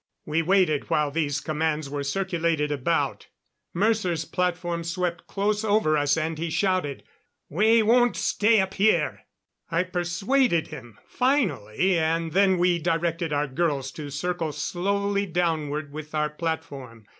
We waited while these commands were circulated about. Mercer's platform swept close over us, and he shouted: "We won't stay up here." I persuaded him finally, and then we directed our girls to circle slowly downward with our platform.